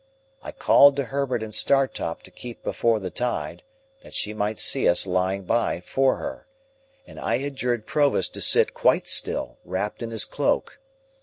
I called to Herbert and Startop to keep before the tide, that she might see us lying by for her, and I adjured Provis to sit quite still, wrapped in his cloak.